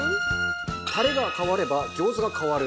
タレが変われば餃子が変わる。